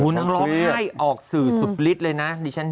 นั่งร้องไห้ออกสื่อสุดฤทธิ์เลยนะ